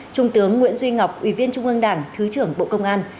trung tướng nguyễn duy ngọc ủy viên trung ương đảng thứ trưởng bộ công an